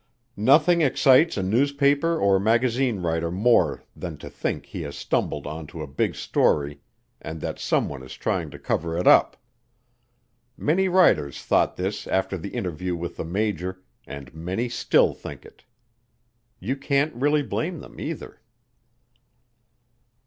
Nothing excites a newspaper or magazine writer more than to think he has stumbled onto a big story and that someone is trying to cover it up. Many writers thought this after the interview with the major, and many still think it. You can't really blame them, either.